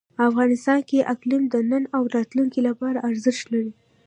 افغانستان کې اقلیم د نن او راتلونکي لپاره ارزښت لري.